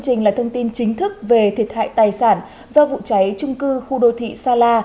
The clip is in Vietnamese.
chương trình là thông tin chính thức về thiệt hại tài sản do vụ cháy trung cư khu đô thị sa la